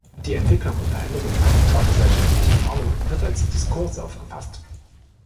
Die Entwicklung und Veränderung allgemeiner gesellschaftlicher Normen wird als Diskurs aufgefasst.